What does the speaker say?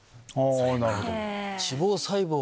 なるほど。